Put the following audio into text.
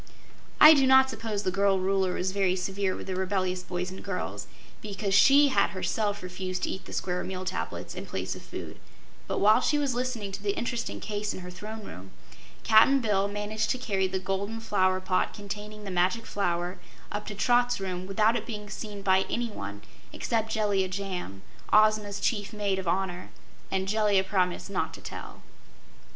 I do not suppose the girl Ruler was very severe with the rebellious boys and girls, because she had herself refused to eat the Square Meal Tablets in place of food, but while she was listening to the interesting case in her Throne Room, Cap'n Bill managed to carry the golden flower pot containing the Magic Flower up to Trot's room without it being seen by anyone except Jellia Jamb, Ozma's chief Maid of Honor, and Jellia promised not to tell.